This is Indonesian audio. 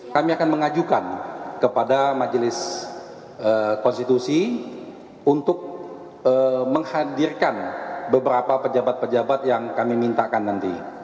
kami akan mengajukan kepada majelis konstitusi untuk menghadirkan beberapa pejabat pejabat yang kami mintakan nanti